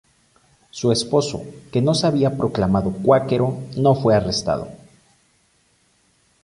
Su esposo, que no se había proclamado cuáquero, no fue arrestado.